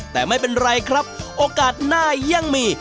แต่ไม่เป็นไรครับโอกาสหน้ายังมี